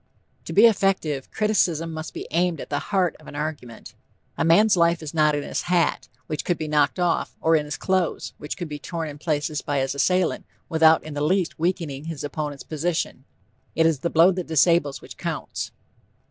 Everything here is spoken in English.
To be effective, criticism must be aimed at the heart of an argument. A man's life is not in his hat, which could be knocked off, or in his clothes which could be torn in places by his assailant without in the least weakening his opponent's position. It is the blow that disables which counts.